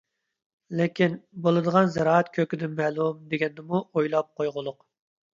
لېكىن، بولىدىغان زىرائەت كۆكىدىن مەلۇم دېگەننىمۇ ئويلاپ قويغۇلۇق!